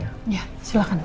ya silakan pak